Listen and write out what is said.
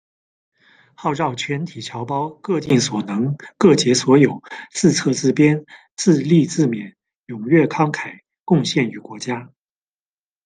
号召全体侨胞各尽所能，各竭所有，自策自鞭，自励自勉，踊跃慷慨，贡献于国家”。